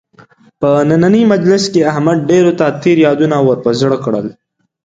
په نننۍ مجلس کې احمد ډېرو ته تېر یادونه ور په زړه کړل.